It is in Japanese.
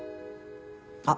あっ。